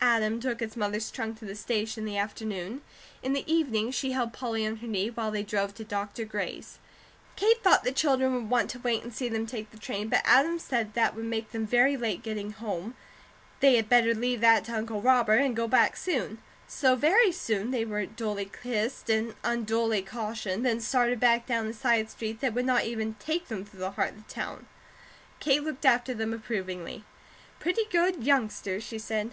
Adam took his mother's trunk to the station in the afternoon. In the evening she held Polly on her knee, while they drove to Dr. Gray's. Kate thought the children would want to wait and see them take the train, but Adam said that would make them very late getting home, they had better leave that to Uncle Robert and go back soon; so very soon they were duly kissed and unduly cautioned; then started back down a side street that would not even take them through the heart of the town. Kate looked after them approvingly: "Pretty good youngsters," she said.